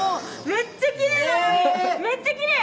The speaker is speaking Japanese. めっちゃきれいなのにめっちゃきれい！